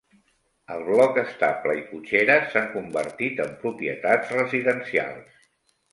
El bloc estable i cotxera s'han convertit en propietats residencials.